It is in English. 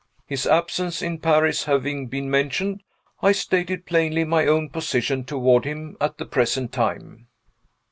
His absence in Paris having been mentioned, I stated plainly my own position toward him at the present time.